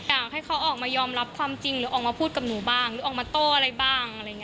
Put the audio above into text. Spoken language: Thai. อยากให้เขาออกมายอมรับความจริงหรือออกมาพูดกับหนูบ้างหรือออกมาโต้อะไรบ้างอะไรอย่างนี้